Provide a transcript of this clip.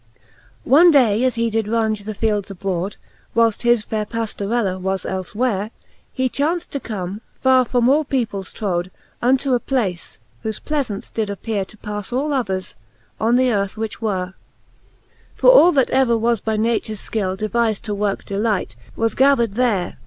V. One day as he did raunge the fields abroad, Whileft his faire Pajiorella was elfe where, ^ He chaunft to come, far from all peoples troad. Unto a place, whofe pleafaunce did appere To pafle all others, on the earth which were: For all that ever was by natures fkill Devizd to worke delight, was gathered tliere.